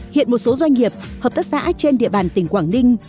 hiện một số doanh nghiệp hợp tác xã trên địa bàn tỉnh quảng ninh